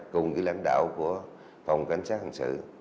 cùng với lãnh đạo của phòng cảnh sát hình sự